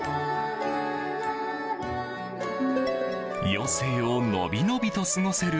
余生をのびのびと過ごせる